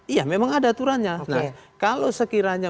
iya memang ada aturannya nah kalau sekiranya